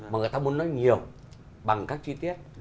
mà người ta muốn nói nhiều bằng các chi tiết